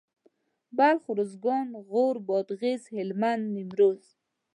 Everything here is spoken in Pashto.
بلخ اروزګان غور بادغيس هلمند نيمروز